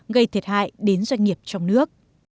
gây thiệt hại đến doanh nghiệp trong nước